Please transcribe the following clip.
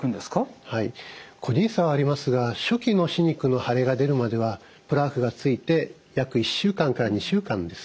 はい個人差はありますが初期の歯肉の腫れが出るまではプラークが付いて約１週間から２週間です。